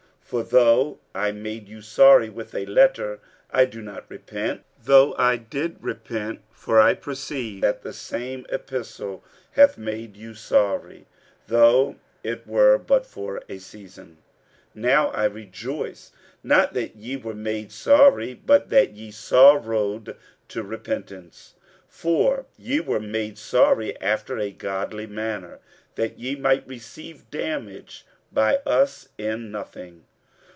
47:007:008 For though I made you sorry with a letter, I do not repent, though I did repent: for I perceive that the same epistle hath made you sorry, though it were but for a season. 47:007:009 Now I rejoice, not that ye were made sorry, but that ye sorrowed to repentance: for ye were made sorry after a godly manner, that ye might receive damage by us in nothing.